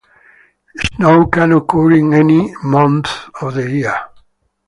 Snow can occur in any month of the year.